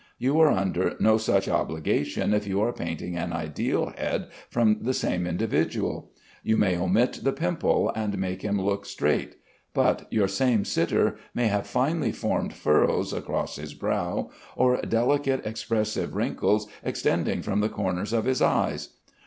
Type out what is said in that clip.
You are under no such obligation if you are painting an ideal head from the same individual. You may omit the pimple, and make him look straight. But your same sitter may have finely formed furrows across his brow, or delicate expressive wrinkles extending from the corners of his eyes.